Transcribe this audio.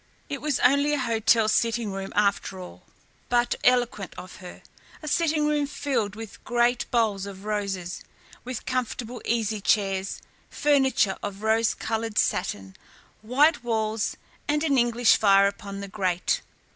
It was only an hotel sitting room, after all, but eloquent of her, a sitting room filled with great bowls of roses, with comfortable easy chairs, furniture of rose coloured satin, white walls, and an English fire upon the grate.